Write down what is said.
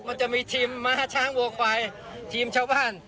มันจะมีทีมม้าช้างวัวควายทีมชาวบ้าน